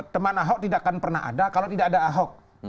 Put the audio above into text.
teman ahok tidak akan pernah ada kalau tidak ada ahok